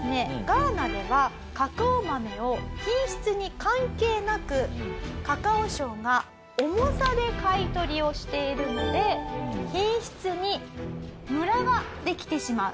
ガーナではカカオ豆を品質に関係なくカカオ省が重さで買い取りをしているので品質にムラができてしまう。